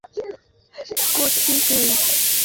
আমরা কী বলার চেষ্টা করছি, কেইন?